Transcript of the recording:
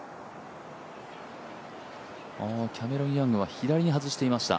キャメロン・ヤングは左に外していました。